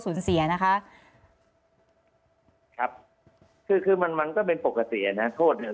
สูญเสียนะคะครับคือคือมันมันก็เป็นปกตินะโทษเนี่ย